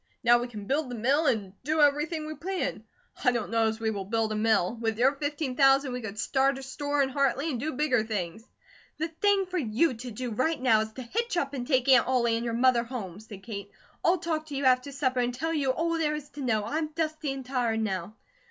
Now we can build the mill, and do everything we planned. I don't know as we will build a mill. With your fifteen thousand we could start a store in Hartley, and do bigger things." "The thing for you to do right now is to hitch up and take Aunt Ollie and your mother home," said Kate. "I'll talk to you after supper and tell you all there is to know. I'm dusty and tired now."